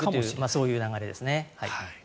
そういう流れですね。